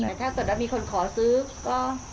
แต่ถ้าส่วนต่อไปมีคนขอซื้อก็